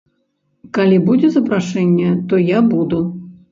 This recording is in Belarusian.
Калі будзе запрашэнне, то я буду.